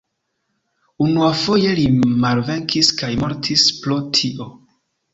Unuafoje li malvenkis kaj mortis pro tio.